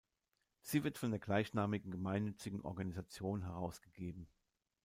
Sie wird von der gleichnamigen gemeinnützigen Organisation herausgegeben.